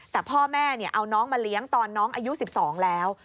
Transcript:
แต่พ่อแม่เอาน้องมาเลี้ยงตอนน้องอายุ๑๒แล้ว